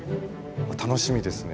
楽しみですね